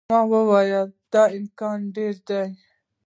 ما وویل، د دې امکان ډېر دی.